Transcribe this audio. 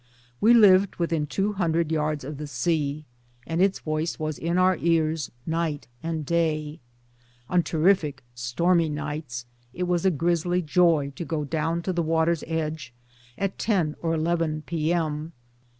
We lived within two hundred yards of the sea, and its voice was in our ears night and day. On terrific stormy nights it was a " grisly joy " to go down to the water's edge at 10 or n p.m.